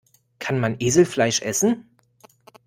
Kann man Eselfleisch essen?